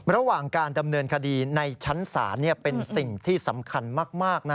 ระหว่างการดำเนินคดีในชั้นศาลเป็นสิ่งที่สำคัญมาก